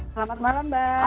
selamat malam mbak